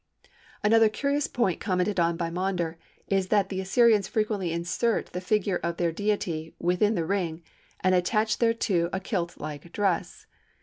Another curious point commented upon by Maunder is that the Assyrians frequently insert the figure of their Deity within the ring, and attach thereto a kilt like dress.